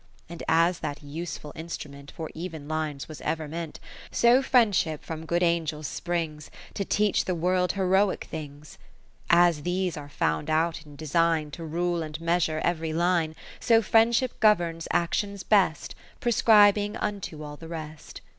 X And as that useful instrument For even lines was ever meant ; So Friendship from good Angels springs. To teach the world heroic things. 40 XI As these are found out in design To rule and measure every line ; So Friendship governs actions best, Prescribing unto all the rest.